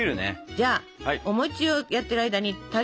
じゃあお餅をやってる間にたれ作りましょう。